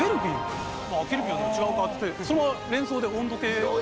ケルビンはでも違うかっつってそのまま連想で温度計。